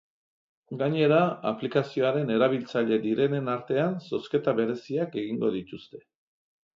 Gainera, aplikazioaren erabiltzaile direnen artean zozketa bereziak egingo dituzte.